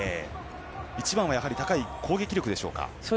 一番は高い攻撃力でしょうか。